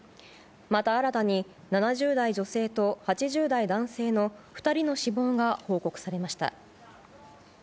また新たに、７０代女性と８０代男性の２人の死亡が報告されました。